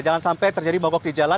jangan sampai terjadi mogok di jalan